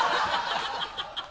ハハハ